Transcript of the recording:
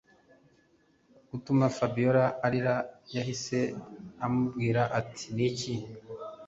gutuma Fabiora arira yahise amubwira ati niki